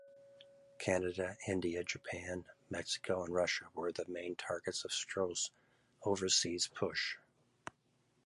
Canada, India, Japan, Mexico, and Russia were the main targets of Stroh's overseas push.